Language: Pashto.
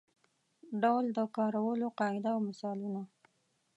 ډول د کارولو قاعده او مثالونه.